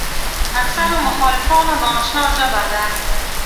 اکثرو مخالفانو ناآشنا ژبه ده.